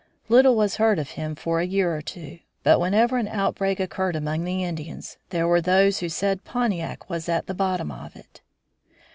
Little was heard of him for a year or two, but whenever an outbreak occurred among the Indians there were those who said Pontiac was at the bottom of it.